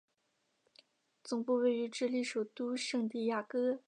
总部位于智利首都圣地亚哥。